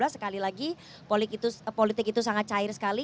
sekali lagi politik itu sangat cair sekali